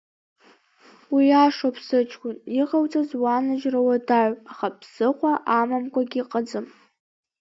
Уиашоуп сыҷкәын, иҟауҵаз уанажьра уадаҩуп, аха ԥсыхәа амамкәагьы иҟаӡам…